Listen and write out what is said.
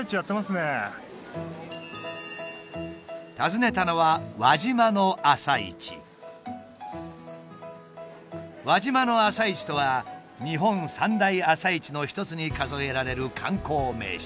訪ねたのは輪島の朝市とは日本三大朝市の一つに数えられる観光名所。